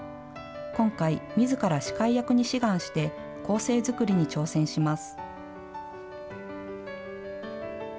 今回、みずから司会役に志願して構成作りに挑戦します。